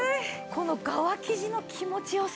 この側生地の気持ちよさ。